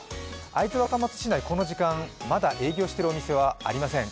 会津若松市内、この時間まだ営業しているお店はありません。